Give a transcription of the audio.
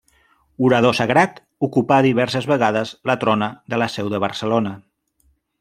Orador sagrat, ocupà diverses vegades la trona de la seu de Barcelona.